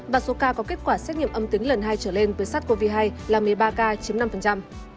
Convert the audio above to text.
và số ca có kết quả xét nghiệm âm tính lần hai trở lên với sars cov hai là một mươi ba ca chiếm năm